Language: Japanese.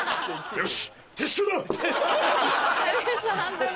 よし！